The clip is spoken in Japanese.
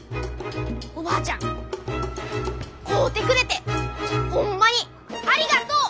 おばあちゃん買うてくれてホンマにありがとう！